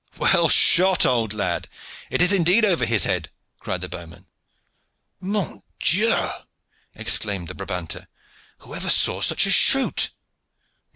"Well shot, old lad! It is indeed over his head," cried the bowmen. "Mon Dieu!" exclaimed the Brabanter, "who ever saw such a shoot?"